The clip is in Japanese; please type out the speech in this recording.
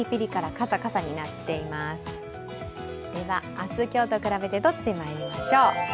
明日、今日と比べてどっちまいりましょう。